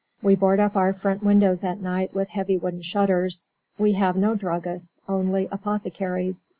We board up our front windows at night with heavy wooden shutters. We have no druggists, only "apothecaries."